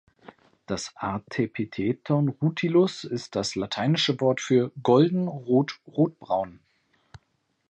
Das Artepitheton »rutilus« ist das lateinische Wort für »golden, rot, rotbraun«.